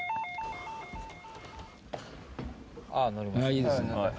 あいいですね。